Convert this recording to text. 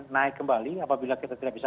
naik kembali apabila kita tidak bisa